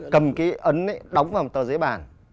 cầm cái ấn ấy đóng vào một tờ giấy bản